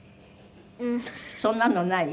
そんなのない？